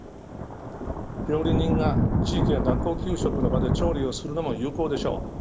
料理人が地域や学校給食の場で調理をするのも有効でしょう。